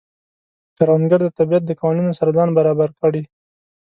کروندګر د طبیعت د قوانینو سره ځان برابر کړي